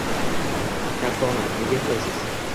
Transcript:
Katta ona, nega yig'laysiz?